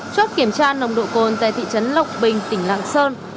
chốt kiểm tra nồng độ cồn tại thị trấn lộc bình tỉnh lạng sơn